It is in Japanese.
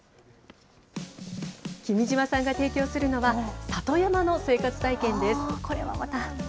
君島さんが提供するのは、里山の生活体験です。